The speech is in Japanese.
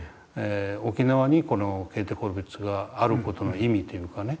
沖縄にこのケーテ・コルヴィッツがある事の意味というかね